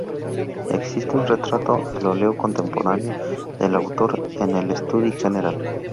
Existe un retrato al óleo contemporáneo del autor en el Estudi General.